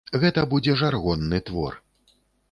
Гэта будзе жаргонны твор.